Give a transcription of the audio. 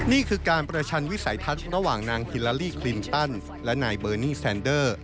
นี่คือการประชันวิสัยทัศน์ระหว่างนางฮิลาลี่คลินชันและนายเบอร์นี่แซนเดอร์